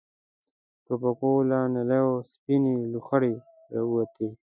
د ټوپکو له نليو سپينې لوخړې را ووتې.